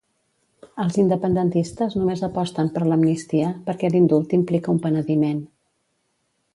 Els independentistes només aposten per l'amnistia, perquè l'indult implica un penediment.